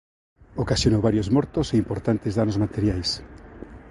Ocasionou varios mortos e importantes danos materiais.